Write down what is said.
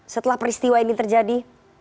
setelah peristiwa ini terjadi